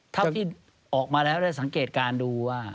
ที่ออกมาแล้วได้สังเกตการณ์ดูว่า